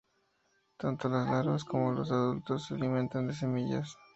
Tanto las larvas como los adultos se alimentan de semillas.